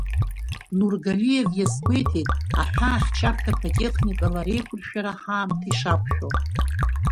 Нургалиев иазгәеиҭеит аҳәаахьчарҭақәа техникала реиқәыршәара ҳаамҭа ишақәшәо.